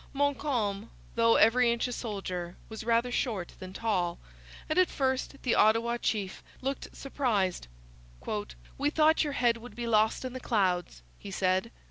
Montcalm, though every inch a soldier, was rather short than tall; and at first the Ottawa chief looked surprised. 'We thought your head would be lost in the clouds,' he said.